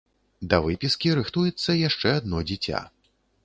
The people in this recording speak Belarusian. Да выпіскі рыхтуецца яшчэ адно дзіця.